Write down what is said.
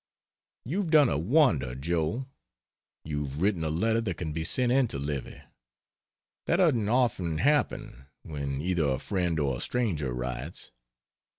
You've done a wonder, Joe: you've written a letter that can be sent in to Livy that doesn't often happen, when either a friend or a stranger writes.